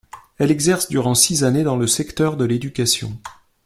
Elle exerce durant six années dans le secteur de l'éducation.